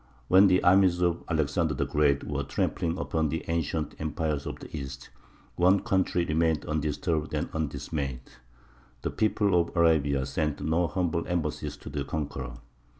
When the armies of Alexander the Great were trampling upon the ancient empires of the East, one country remained undisturbed and undismayed. The people of Arabia sent no humble embassies to the conqueror.